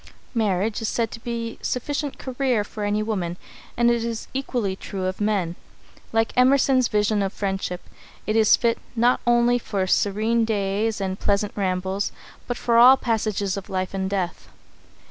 Marriage is said to be sufficient "career" for any woman, and it is equally true of men. Like Emerson's vision of friendship, it is fit "not only for serene days and pleasant rambles, but for all the passages of life and death."